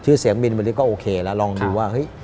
เสียงบินวันนี้ก็โอเคแล้วลองดูว่าเฮ้ย